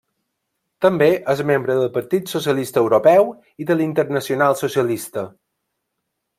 També és membre del Partit Socialista Europeu i de la Internacional Socialista.